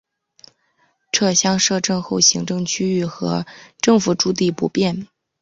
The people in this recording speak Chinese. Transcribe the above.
撤乡设镇后行政区域和政府驻地不变。